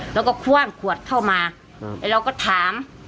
แล้วก็พ่วงขวดเข้ามาแล้วเราก็ถาม